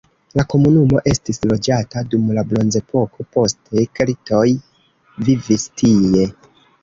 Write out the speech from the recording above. La komunumo estis loĝata dum la bronzepoko, poste keltoj vivis tie.